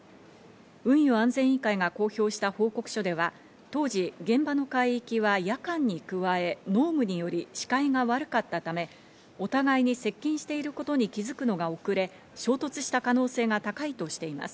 運輸安全委員会が公表した報告書では、当時、現場の海域は夜間に加え、濃霧により視界が悪かったため、お互いに接近していることに気づくのが遅れ、衝突した可能性が高いとしています。